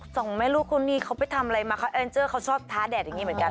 สองแม่ลูกคนนี้เขาไปทำอะไรมาเขาแอนเจอร์เขาชอบท้าแดดอย่างนี้เหมือนกัน